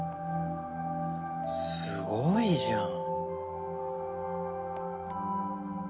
すごいじゃん。